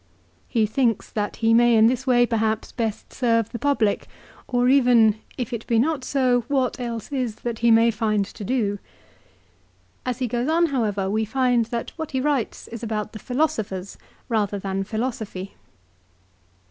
He thinks that he may in this way perhaps best serve the public, or even, " if it be not so what else is that he may find to do." l As he goes on, however, we find that what he writes is about the philosophers rather than philosophy.